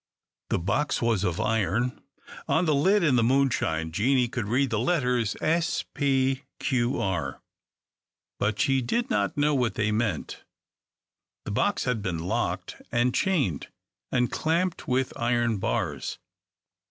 The box was of iron. On the lid, in the moonshine, Jeanie could read the letters S. P. Q. R., but she did not know what they meant. The box had been locked, and chained, and clamped with iron bars.